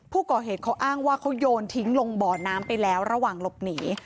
ผู้ก่อเหตุเขาอ้างว่าเขาโยนทิ้งลงบ่อน้ำไปแล้วระหว่างหลบหนี